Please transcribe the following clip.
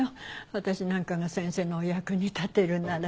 私なんかが先生のお役に立てるなら。